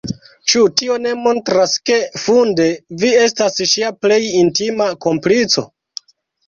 Ĉu tio ne montras ke, funde, vi estas ŝia plej intima komplico?